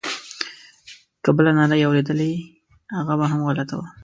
که بله ناره یې اورېدلې هغه به هم غلطه وي.